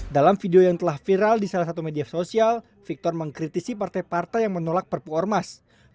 dalam video yang telah viral di salah satu media sosial victor mengkritisi partai partai yang menolak perpu ormas